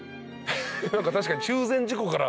何か確かに。